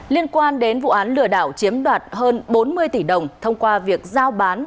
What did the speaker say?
liên quan đến vụ án lừa đảo chiếm đoạt hơn bốn mươi tỷ đồng thông qua việc giao bán